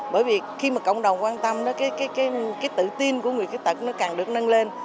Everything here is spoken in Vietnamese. bởi vì khi mà cộng đồng quan tâm đó cái tự tin của người khuyết tật nó càng được nâng lên